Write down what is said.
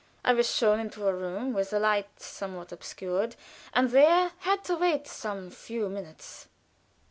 I was shown into a room with the light somewhat obscured, and there had to wait some few minutes.